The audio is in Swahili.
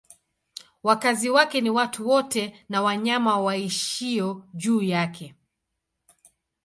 Wakazi wake ni watu wote na wanyama waishio juu yake.